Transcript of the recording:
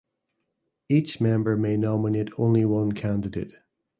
Each member may nominate only one candidate.